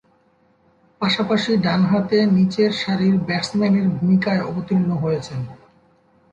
পাশাপাশি ডানহাতে নিচের সারির ব্যাটসম্যানের ভূমিকায় অবতীর্ণ হয়েছেন।